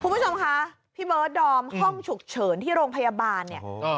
คุณผู้ชมคะพี่เบิร์ดดอมห้องฉุกเฉินที่โรงพยาบาลเนี่ย